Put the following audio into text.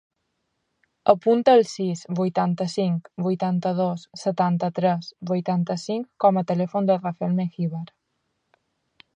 Apunta el sis, vuitanta-cinc, vuitanta-dos, setanta-tres, vuitanta-cinc com a telèfon del Rafael Mengibar.